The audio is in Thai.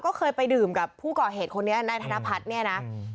ก็เคยไปดื่มกับผู้ก่อเหตุคนนี้นายธนพัฒน์เนี่ยนะ